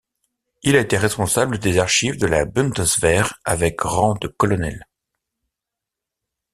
Il a été responsable des archives de la Bundeswehr avec rang de colonel.